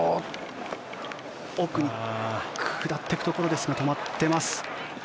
奥に下っていくところですが止まっています。